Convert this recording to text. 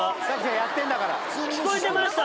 やってんだから。